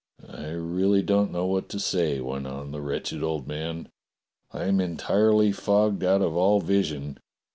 *'I really don't know what to say," went on the wretched old man. "I am entirely fogged out of all vision.